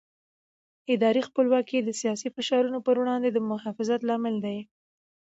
اداري خپلواکي د سیاسي فشارونو پر وړاندې د محافظت لامل ده